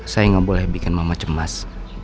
saya nggak boleh bikin mama cemas